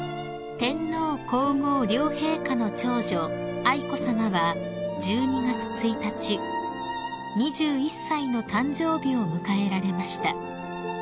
［天皇皇后両陛下の長女愛子さまは１２月１日２１歳の誕生日を迎えられました］